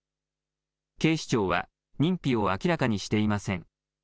警視庁は認否を明らかにしていません。